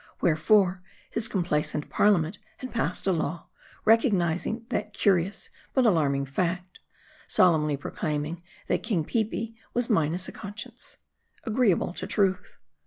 Wherefore, his complaisant parliament had passed a law, recognizing that curious, but alarming fact ; solemnly proclaiming, that King Peepi was minus a conscience. Agreeable to truth.